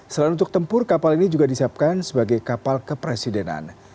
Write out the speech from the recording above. selain untuk tempur kapal ini juga disiapkan sebagai kapal kepresidenan